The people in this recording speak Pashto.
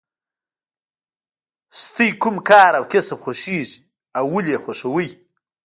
ستاسو کوم کار او کسب خوښیږي او ولې یې خوښوئ.